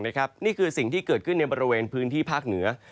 นี่คือสิ่งที่เกิดขึ้นในบริเวณพื้นที่ภาคเหนือ